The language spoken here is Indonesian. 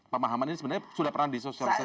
pemahaman ini sebenarnya sudah pernah di sosial social